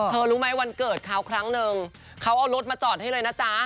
รู้ไหมวันเกิดเขาครั้งนึงเขาเอารถมาจอดให้เลยนะจ๊ะ